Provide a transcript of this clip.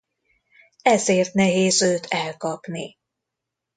Ezért nehéz őt elkapni.